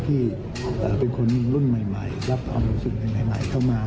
ที่เป็นคนรุ่นใหม่รับความรู้สึกใหม่เข้ามา